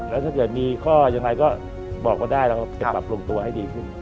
แล้วถ้าเกิดมีข้อยังไงก็บอกก็ได้แล้วกับเปลี่ยนปรับลงตัวให้ดีขึ้น